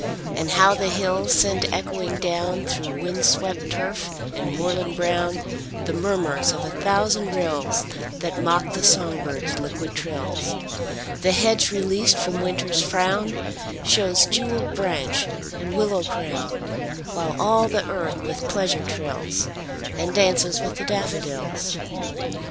And how the hills send echoing down, Through wind swept turf and moorland brown, The murmurs of a thousand rills That mock the song birds' liquid trills! The hedge released from Winter's frown Shews jewelled branch and willow crown; While all the earth with pleasure trills, And 'dances with the daffodils.